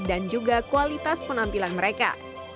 dan juga kualitas penampilan mereka